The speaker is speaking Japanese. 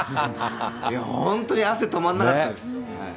いやー、本当に、汗止まんなかったです。